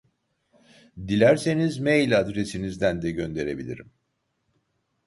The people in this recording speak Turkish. Dilerseniz mail adresinizden de gönderebilirim